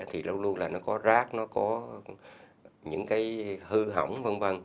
thì luôn luôn là nó có rác nó có những cái hư hỏng v v